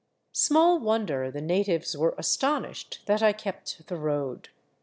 Small wonder the natives were astonished that I kept the road.